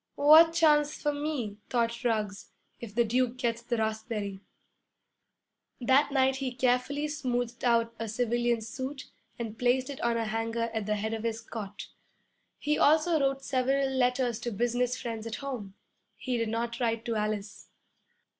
'What chance for me,' thought Ruggs, 'if the Duke gets the raspberry?' That night he carefully smoothed out a civilian suit and placed it on a hanger at the head of his cot. He also wrote several letters to business friends at home. He did not write to Alice.